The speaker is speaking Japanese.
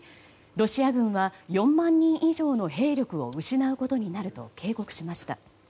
ロシア軍は４万人以上の兵力を失うことになると警告しました。